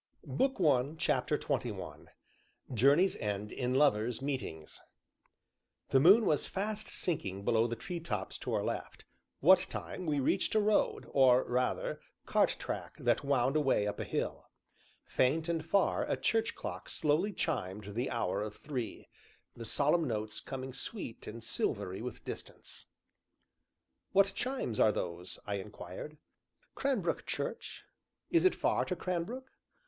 CHAPTER XXI "JOURNEYS END IN LOVERS' MEETINGS" The moon was fast sinking below the treetops to our left, what time we reached a road, or rather cart track that wound away up a hill. Faint and far a church clock slowly chimed the hour of three, the solemn notes coming sweet and silvery with distance. "What chimes are those?" I inquired. "Cranbrook Church." "Is it far to Cranbrook?"